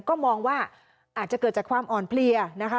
ก็มองว่าอาจจะเกิดจากความอ่อนเพลียนะคะ